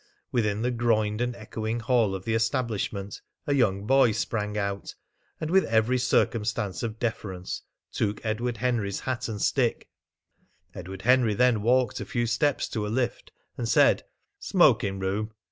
Within the groined and echoing hall of the establishment a young boy sprang out and, with every circumstance of deference, took Edward Henry's hat and stick. Edward Henry then walked a few steps to a lift, and said "Smoking room!"